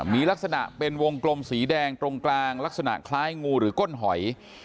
มีลักษณะเป็นวงกลมสีแดงตรงกลางลักษณะคล้ายงูหรือก้นหอย